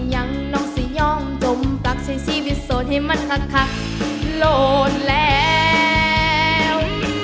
ย่องจมปลักใช้ชีวิตโสดให้มันคักโหลดแล้ว